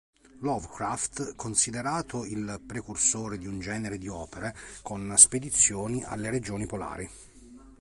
Lovecraft, considerato il precursore di un genere di opere con spedizioni alle regioni polari.